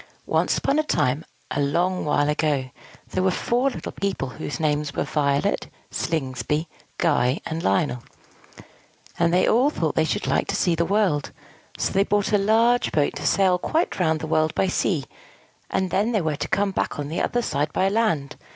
Once upon a time, a long while ago, there were four little people whose names were VIOLET, SLINGSBY, GUY, and LIONEL; and they all thought they should like to see the world. So they bought a large boat to sail quite round the world by sea, and then they were to come back on the other side by land.